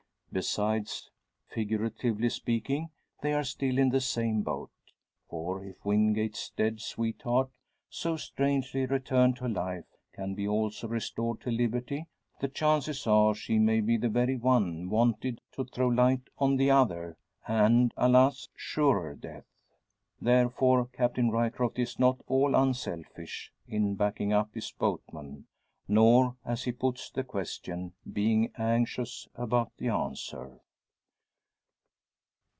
Besides, figuratively speaking, they are still in the same boat. For if Wingate's dead sweetheart, so strangely returned to life, can be also restored to liberty, the chances are she may be the very one wanted to throw light on the other and alas! surer death. Therefore, Captain Ryecroft is not all unselfish in backing up his boatman; nor, as he puts the question, being anxious about the answer.